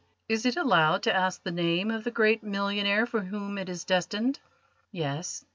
Is it allowed to ask the name of the great millionaire for whom it is destined?" "Yes.